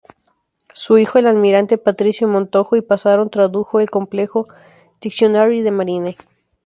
Su hijo el almirante Patricio Montojo y Pasarón tradujo el complejo "Dictionnaire de marine.